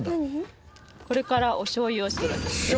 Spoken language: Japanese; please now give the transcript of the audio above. これからおしょうゆを作るんですけど。